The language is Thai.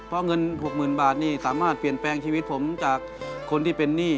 เพราะเงิน๖๐๐๐บาทนี่สามารถเปลี่ยนแปลงชีวิตผมจากคนที่เป็นหนี้